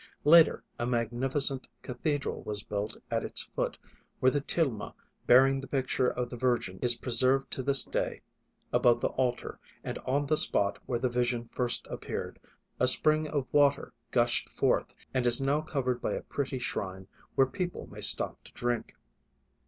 Later a magnificent cathedral was built at its foot where the tilma bearing the picture of the Virgin is preserved to this day above the altar and on the spot where the vision first appeared, a spring of water gushed forth and is now covered by a pretty shrine where people may stop to drink.